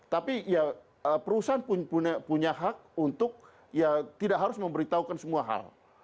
tapi ya perusahaan punya hak untuk ya tidak harus memberitahukan semua hal